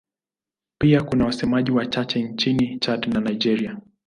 Pia kuna wasemaji wachache nchini Chad na Nigeria.